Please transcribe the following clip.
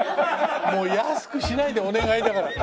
もう安くしないでお願いだから。